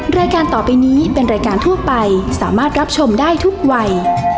รายการต่อไปนี้เป็นรายการทั่วไปสามารถรับชมได้ทุกวัย